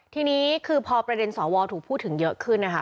ทีนี้คือพอประเด็นสวถูกพูดถึงเยอะขึ้นนะคะ